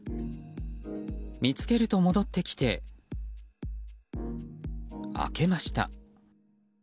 見つけると戻ってきて開けました。